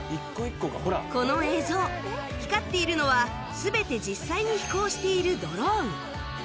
この映像光っているのは全て実際に飛行しているドローン